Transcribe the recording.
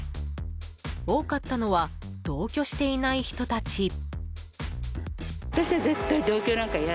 多かったのは同居していない人たち。